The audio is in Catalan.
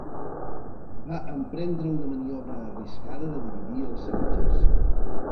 Va emprendre una maniobra arriscada de dividir el seu exèrcit.